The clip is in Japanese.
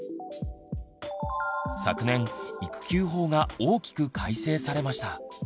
昨年「育休法」が大きく改正されました。